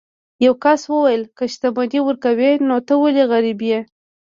یو کس وویل که شتمني ورکوي نو ته ولې غریب یې.